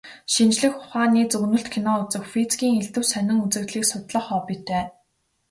Шинжлэх ухааны зөгнөлт кино үзэх, физикийн элдэв сонин үзэгдлийг судлах хоббитой.